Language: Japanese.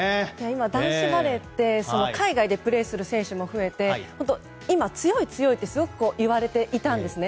今、男子バレーって海外でプレーする選手が増えて今、強いってすごく言われていたんですよね。